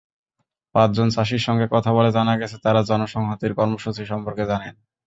পাঁচজন চাষির সঙ্গে কথা বলে জানা গেছে, তাঁরা জনসংহতির কর্মসূচি সম্পর্কে জানেন।